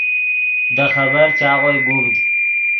دے خبر چاغوئے گوڤد